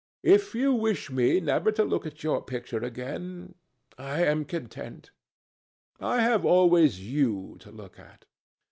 If you wish me never to look at your picture again, I am content. I have always you to look at.